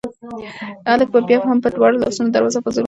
هلک بیا هم په دواړو لاسونو دروازه په زور وهي.